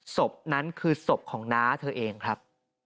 ศพนั้นคือศพของน้าเธอเองครับ